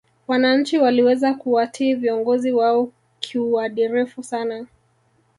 wananchi waliweza kuwatii viongozi wao kiuadirifu sana